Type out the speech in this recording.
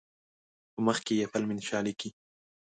په مخ کې یفل من یشاء لیکي.